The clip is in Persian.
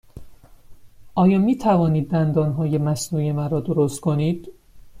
آیا می توانید دندانهای مصنوعی مرا درست کنید؟